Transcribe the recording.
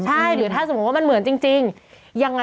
ใช่หรือถ้าสมมุติว่ามันเหมือนจริงยังไง